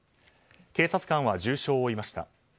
警察官は重傷を負いました。